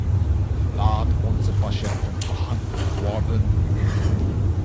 Laat onze patiënten behandeld worden.